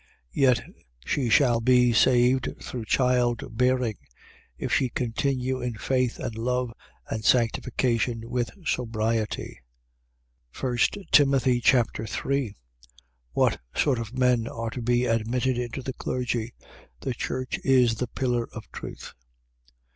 2:15. Yet she shall be saved through child bearing; if she continue in faith and love and sanctification with sobriety. 1 Timothy Chapter 3 What sort of men are to be admitted into the clergy. The church is the pillar of truth.